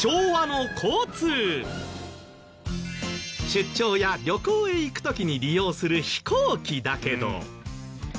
出張や旅行へ行く時に利用する飛行機だけど。